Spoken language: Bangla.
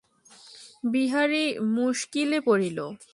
বিহারী মুশকিলে পড়িল।